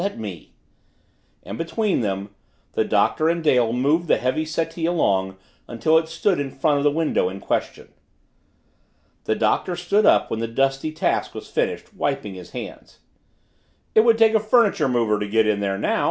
Let me " and between them, the Doctor and Dale moved the heavy settee along until it stood in front of the window in question. The Doctor stood up when the dusty task was finished, wiping his hands. "It would take a furniture mover to get in there now!"